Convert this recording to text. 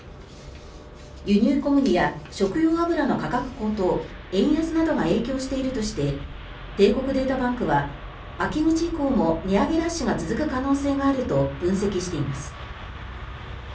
輸入小麦や食用油の価格高騰円安などが影響しているとして帝国データバンクは秋口以降も値上げラッシュが続く可能性があると分析しています。